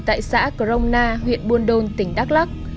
tại xã crona huyện buôn đôn tỉnh đắk lắc